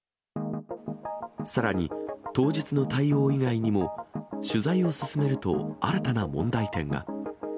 さらに、当日の対応以外にも、取材を進めると新たな問題点が。